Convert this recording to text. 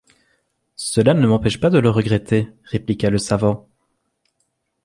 Cela ne m’empêche pas de le regretter, » répliqua le savant.